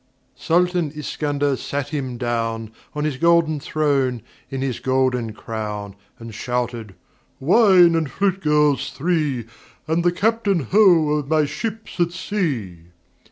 Sultan Iskander sat him down On his golden throne, in his golden crown, And shouted, "Wine and flute girls three, And the Captain, ho! of my ships at sea."